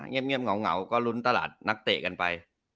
เงียบเหงาก็ลุ้นตลาดนักเตะกันไป